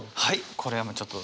これはもうちょっとね